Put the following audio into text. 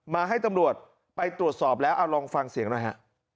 มาให้ตำรวจไปตรวจสอบแล้วเอาลองฟังเสียงหน่อยฮะ